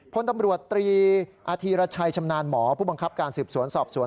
พลตำรวจตรีอาธีรชัยชำนาญหมอผู้บังคับการสืบสวนสอบสวน